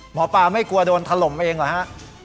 หมอปลาไม่กลัวโดนถล่มเองเหรอฮะ